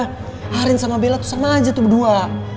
bukan aja arin sama bella tuh sama aja tuh berdua